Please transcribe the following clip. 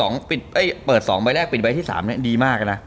นี่เปิดสองใบแรกปิดใบที่สามเนี่ยดีมากนะ